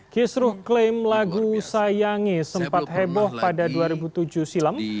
kisruh klaim lagu sayangi sempat heboh pada dua ribu tujuh silam